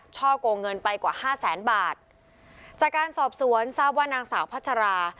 ช่อกงเงินไปกว่าห้าแสนบาทจากการสอบสวนทราบว่านางสาวพัชรา